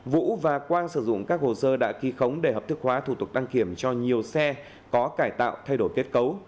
vũ và quang sử dụng các hồ sơ đã ký khống để hợp thức hóa thủ tục đăng kiểm cho nhiều xe có cải tạo thay đổi kết cấu